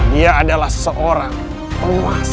dia adalah seorang penguasa